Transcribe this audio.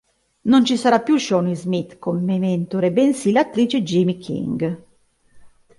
Non ci sarà più Shawnee Smith come mentore bensì l'attrice Jaime King.